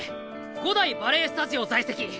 五代バレエスタジオ在籍。